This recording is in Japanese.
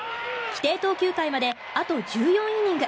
規定投球回まであと１４イニング。